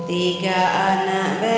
tiga anak berdua